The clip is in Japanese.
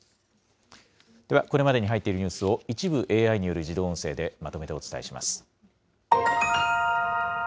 ではこれまでに入っているニュースを、一部ＡＩによる自動音声でまとめてお伝えします。